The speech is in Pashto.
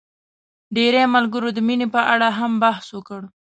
ډېری ملګرو د مينې په اړه هم بحث وکړ.